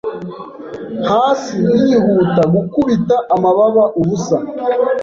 Hasi yihuta gukubita amababa ubusa